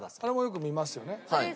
あれもよく見ますよね。